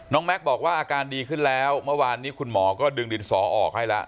แม็กซ์บอกว่าอาการดีขึ้นแล้วเมื่อวานนี้คุณหมอก็ดึงดินสอออกให้แล้ว